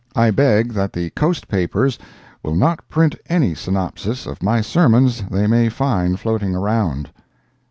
I beg that the Coast papers will not print any synopsis of my sermons they may find floating around.